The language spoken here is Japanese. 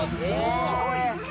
すごい！